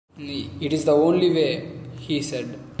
"It's the only way," he said.